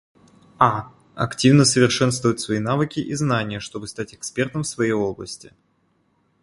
А - Активно совершенствовать свои навыки и знания, чтобы стать экспертом в своей области.